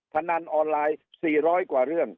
พนันออนไลน์๔๐๐กว่าเรื่อง